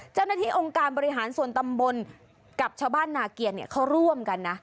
เจ้าหน้าที่องค์การบริหารส่วนตำบลกับชาวบ้านนาเกียรเขาร่วมกันนะ